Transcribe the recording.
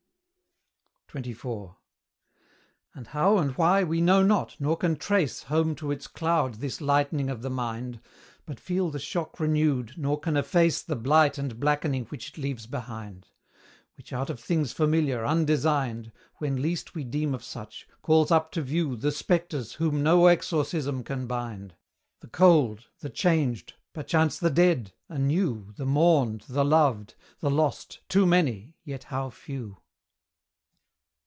XXIV. And how and why we know not, nor can trace Home to its cloud this lightning of the mind, But feel the shock renewed, nor can efface The blight and blackening which it leaves behind, Which out of things familiar, undesigned, When least we deem of such, calls up to view The spectres whom no exorcism can bind, The cold the changed perchance the dead anew, The mourned, the loved, the lost too many! yet how few!